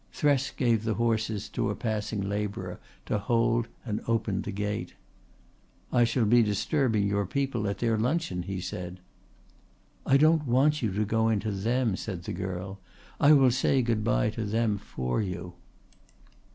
Thresk gave the horses to a passing labourer to hold and opened the gate. "I shall be disturbing your people at their luncheon," he said. "I don't want you to go in to them," said the girl. "I will say goodbye to them for you."